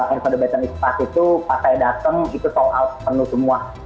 envada baton ispah itu pas saya datang itu sold out penuh semua